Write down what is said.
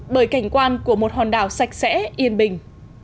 bởi cảnh quan của một hòn đảo sạch sẽ yên bình